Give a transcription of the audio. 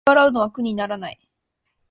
食器を洗うのは苦にならない